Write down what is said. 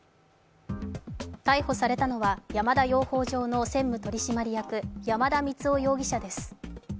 逮捕されたのは山田養蜂場の専務取締役、山田満生容疑者です。